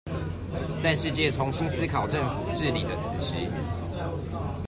在世界重新思考政府治理的此時